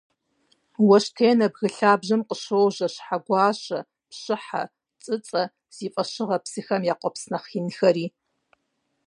Уэщтенэ бгы лъабжьэм къыщожьэ Щхьэгуащэ, Пщыхьэ, ЦӀыцӀэ зи фӀэщыгъэ псыхэм я къуэпс нэхъ инхэри.